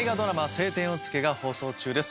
「青天を衝け」が放送中です。